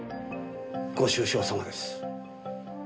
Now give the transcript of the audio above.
ご愁傷さまです。